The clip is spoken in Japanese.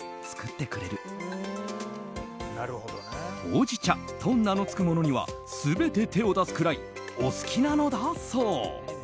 ほうじ茶と名の付くものには全て手を出すくらいお好きなのだそう。